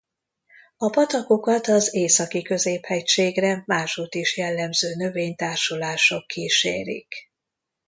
A patakokat az Északi-középhegységre másutt is jellemző növénytársulások kísérik.